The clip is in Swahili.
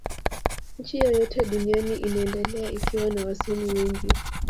nchi yoyote duniani inaendelea ikiwa na wasomi wengi